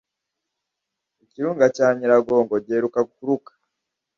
Ikirunga cya nyiragongo giheruka kuruka